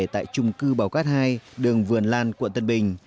tại trung cư bào cát hai đường vườn lan quận tân bình